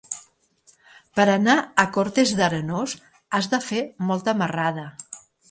Per anar a Cortes d'Arenós has de fer molta marrada.